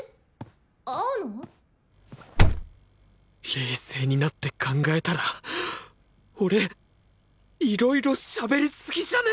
冷静になって考えたら俺いろいろしゃべりすぎじゃね！？